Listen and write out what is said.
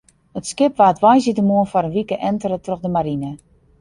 It skip waard woansdeitemoarn foar in wike entere troch de marine.